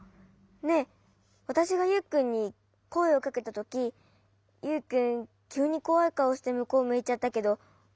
ねえわたしがユウくんにこえをかけたときユウくんきゅうにこわいかおしてむこうむいちゃったけどもしかして。